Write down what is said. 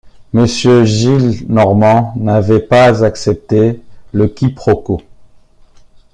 Monsieur Gillenormand n’avait pas accepté le quiproquo.